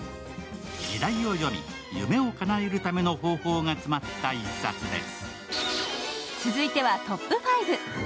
時代を読み夢をかなえるための方法が詰まった一冊です。